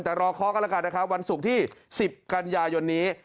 แต่รอเคาะกันแล้วกันนะครับวันศุกร์ที่๑๐กันยายนนี้